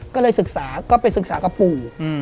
ก็เลยก็ไปศึกษากับปู่